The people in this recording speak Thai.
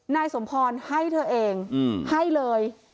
นายสมพรให้เธอเองให้เลย